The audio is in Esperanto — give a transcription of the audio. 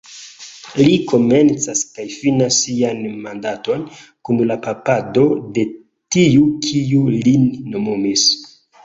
Li komencas kaj finas sian mandaton kun la papado de tiu kiu lin nomumis.